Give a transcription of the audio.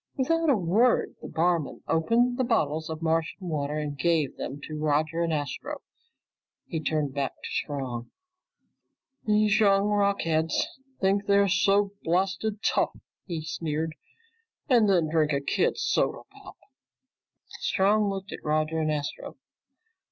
Without a word, the barman opened the bottles of Martian water and gave them to Roger and Astro. He turned back to Strong. "These young rocketheads think they're so blasted tough," he sneered, "and then drink kids' soda pop." Strong looked at Roger and Astro.